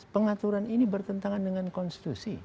pengaturan ini bertentangan dengan konstitusi